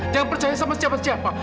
jangan percaya sama siapa siapa